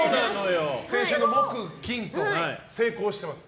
先週の木、金と成功してます。